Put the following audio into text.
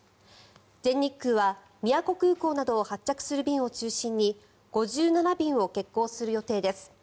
全日空は宮古空港などを発着する便を中心に５７便を欠航する予定です。